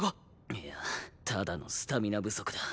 いやただのスタミナ不足だ。